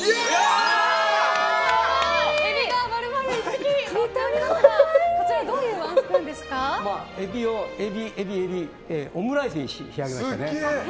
エビが丸々１匹のっておりますがこちらエビをオムライスに仕上げました。